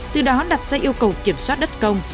từ đó đặt ra yêu cầu kiểm soát đất công